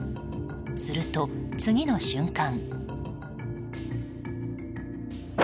すると、次の瞬間。